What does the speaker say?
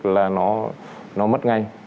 là nó mất ngay